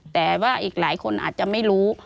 แต่ว่าอีกหลายคนอาจจะไม่รู้